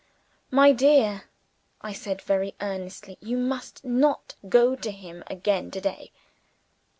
"My dear!" I said, very earnestly, "you must not go to him again to day."